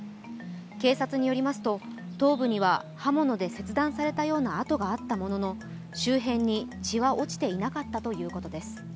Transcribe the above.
警察によりますと、頭部には刃物で切断されたような痕があったものの周辺に血は落ちていなかったということです。